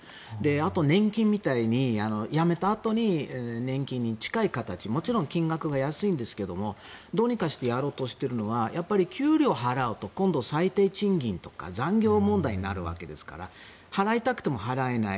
あと、年金みたいに辞めたあとに年金に近い形もちろん金額は安いですがどうにかしてやろうとしているのはやっぱり給料を払うと今度、最低賃金とか残業問題になるわけですから払いたくても払えない。